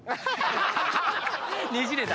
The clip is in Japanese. ねじれた！